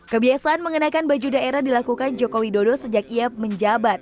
kebiasaan mengenakan baju daerah dilakukan jokowi dodo sejak ia menjabat